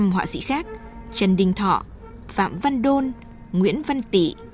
năm họa sĩ khác trần đình thọ phạm văn đôn nguyễn văn tị